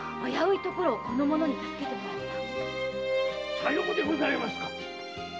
さようでございますか。